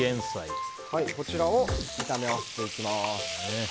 こちらを炒め合わせていきます。